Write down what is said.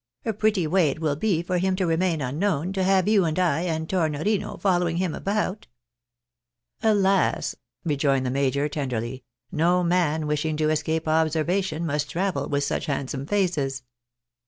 A pretty way it will be for him to remain unknown, to have you, and I, and Tornorino following him about ?"" Alas !" rejoined the major, tenderly, " no man wishing to escape observation, must travel with such handsome faces